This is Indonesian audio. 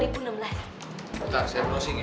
bentar saya browsing ya